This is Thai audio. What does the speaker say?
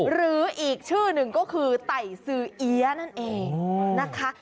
หรืออีกชื่อหนึ่งก็คือไต่ซื้อเอี๊ยะนั่นเองนะคะ